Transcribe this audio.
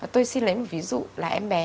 tôi xin lấy một ví dụ là em bé